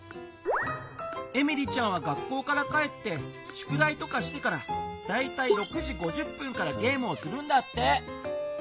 エミリちゃんは学校から帰ってしゅくだいとかしてからだいたい６時５０分からゲームをするんだって。